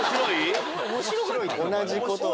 同じことを。